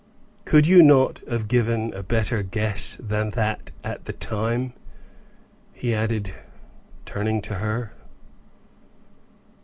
Could you not have given a better guess than that at the time?" he added, turning to her.